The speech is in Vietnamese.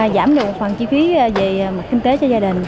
giảm được một phần chi phí về mặt kinh tế cho gia đình